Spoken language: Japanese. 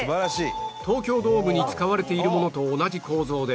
東京ドームに使われているものと同じ構造で